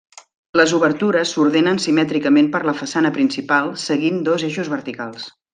Les obertures s'ordenen simètricament per la façana principal seguint dos eixos verticals.